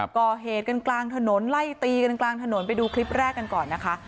ก่อเหตุกันกลางถนนไล่ตีกันกลางถนนไปดูคลิปแรกกันก่อนนะคะ